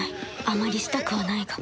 あまりしたくはないが